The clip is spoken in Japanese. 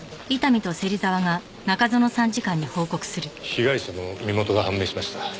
被害者の身元が判明しました。